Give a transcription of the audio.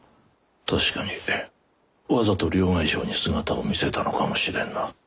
確かにわざと両替商に姿を見せたのかもしれんな。